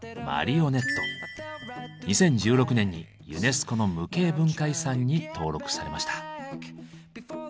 ２０１６年にユネスコの無形文化遺産に登録されました。